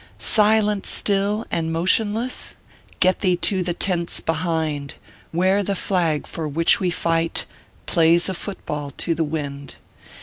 Silent still, and motionless? Get thee to the tents behind, Where the flag for which we fight Plays a foot ball to the wind.